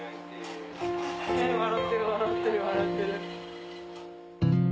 笑ってる笑ってる笑ってる。